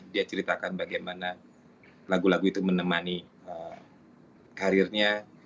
dia ceritakan bagaimana lagu lagu itu menemani karirnya